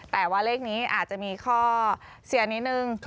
แต่ว่าเลขนี้อาจจะมีข้อเสียนิดนึง